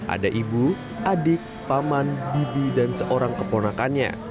ada ibu adik paman bibi dan seorang keponakannya